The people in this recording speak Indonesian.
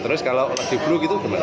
terus kalau lagi blue gitu gimana